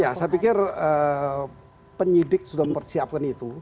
ya saya pikir penyidik sudah mempersiapkan itu